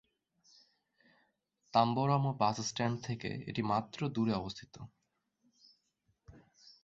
Tambaram bus stand থেকে এটি মাত্র দূরে অবস্থিত।